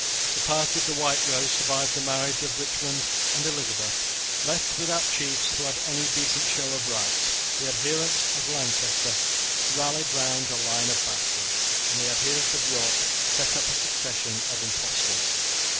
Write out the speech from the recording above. The party of the White Rose survived the marriage of Richmond and Elizabeth. Left without chiefs who had any decent show of right, the adherents of Lancaster rallied round a line of bastards, and the adherents of York set up a succession of impostors.